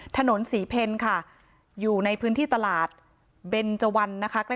ถนนศรีเพลค่ะอยู่ในพื้นที่ตลาดเบนเจวันนะคะ